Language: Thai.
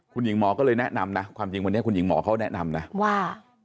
คุณหญิงหมอก็เลยแนะนำนะความจริงวันนี้คุณหญิงหมอเขาแนะนำนะว่า